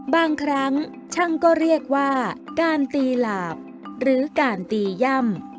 บางครั้งช่างก็เรียกว่าการตีหลาบหรือการตีย่ำ